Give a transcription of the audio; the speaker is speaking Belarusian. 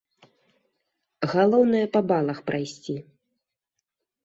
Галоўнае па балах прайсці.